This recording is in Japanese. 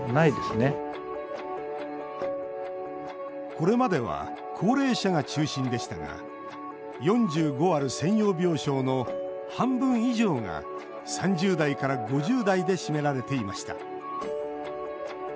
これまでは高齢者が中心でしたが４５ある専用病床の半分以上が３０代から５０代で占められていました。